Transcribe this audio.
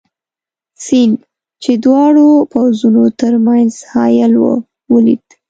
سیند، چې د دواړو پوځونو تر منځ حایل وو، ولید.